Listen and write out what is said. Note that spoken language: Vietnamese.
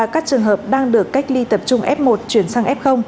các trường hợp đang được cách ly tập trung f một chuyển sang f